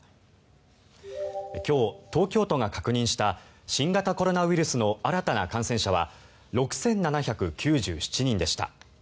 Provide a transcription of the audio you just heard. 今日、東京都が確認した新型コロナウイルスの新たな感染者は６７９７人でした。